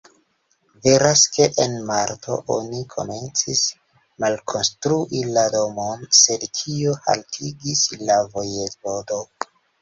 Veras, ke en marto oni komencis malkonstrui la domon, sed tion haltigis la vojevodo.